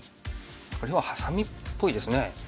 これはハサミっぽいですね。